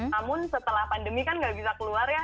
namun setelah pandemi kan nggak bisa keluar ya